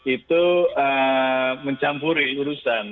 itu mencampuri urusan